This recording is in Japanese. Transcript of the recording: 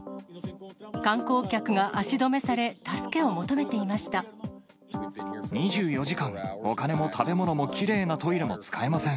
観光客が足止めされ、助けを求め２４時間、お金も食べ物も、きれいなトイレも使えません。